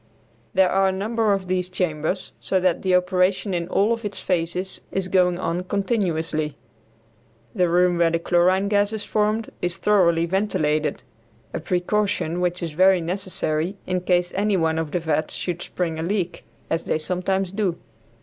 There are a number of these chambers, so that the operation in all of its phases is going on continuously. The room where the chlorine gas is formed is thoroughly ventilated, a precaution which is very necessary in case any one of the vats should spring a leak, as they sometimes do.